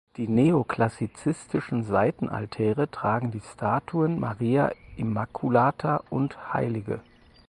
Die neoklassizistischen Seitenaltäre tragen die Statuen Maria Immaculata und hl.